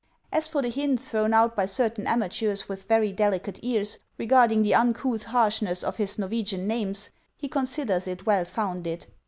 As for the hint thrown out by certain amateurs with very delicate ears regarding the uncouth harshness of his Nor wegian names, he considers it well founded.